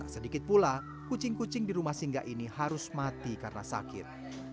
sedikit pula kucing kucing di rumah singgah ini harus mati karena sakit